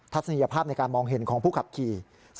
ศนียภาพในการมองเห็นของผู้ขับขี่